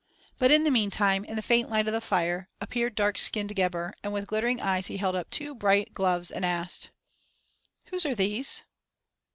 But in the meantime, in the faint light of the fire, appeared dark skinned Gebhr and with glittering eyes he held up two bright little gloves and asked: "Whose are these?"